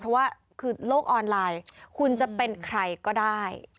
เพราะว่าคือโลกออนไลน์คุณจะเป็นใครก็ได้